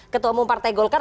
ketua umum partai golkar